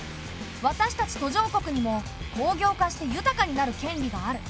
私たち途上国にも工業化して豊かになる権利がある。